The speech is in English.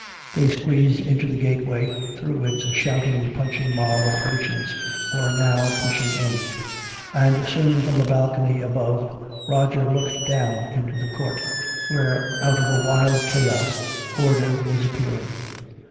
They squeezed into the gateway, through which a shouting punching mob of urchins were now pushing in; and soon from a balcony above Roger looked down into the court, where out of a wild chaos order was appearing.